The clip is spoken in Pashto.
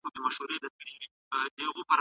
تاسو به د خپل ذهن د روزنې لپاره مطالعه کوئ.